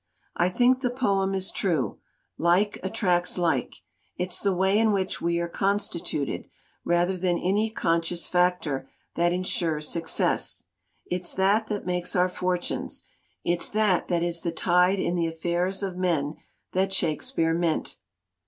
I think the poem is true like attracts like; it's the way in which we are con stituted, rather than any conscious factor, that insures success. It's that that makes our for tunes, it's that that is the 'tide in the affairs of men* that Shakespeare meant."